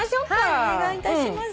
はいお願いいたします。